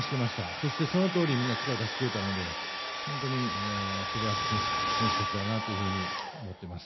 そして、そのとおりみんな、力を出してくれたので本当に素晴らしい選手たちだなと思っています。